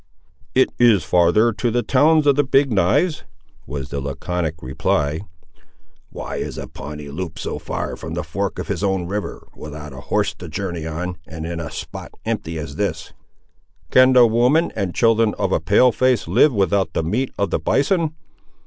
"It is farther to the towns of the Big knives," was the laconic reply. "Why is a Pawnee Loup so far from the fork of his own river, without a horse to journey on, and in a spot empty as this?" "Can the women and children of a Pale face live without the meat of the bison?